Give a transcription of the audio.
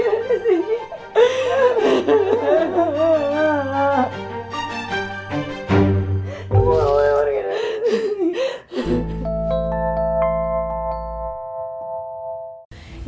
emang ga boleh pergi dari sini